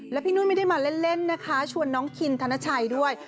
แล้วพี่นุ่นไม่ได้มาเล่นนะคะชวนน้องคินธนชัยด้วย